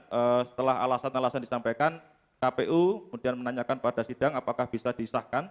setelah alasan alasan disampaikan kpu kemudian menanyakan pada sidang apakah bisa disahkan